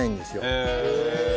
へえ。